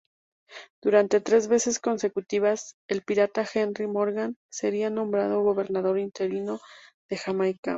Durante tres veces consecutivas, el pirata Henry Morgan sería nombrado gobernador interino de Jamaica.